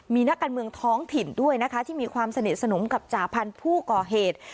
มีนักการเมืองท้องถิ่นด้วยนะคะที่มีความสนิทสนมกับจ่าพันธุ์ผู้ก่อเหตุ